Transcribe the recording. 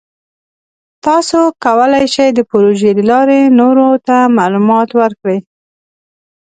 تاسو کولی شئ د پروژې له لارې نورو ته معلومات ورکړئ.